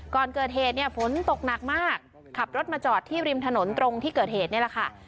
ก่อนเกิดเหตุเนี่ยฝนตกหนักมากขับรถมาจอดที่ริมถนนตรงที่เกิดเหตุนี่แหละค่ะ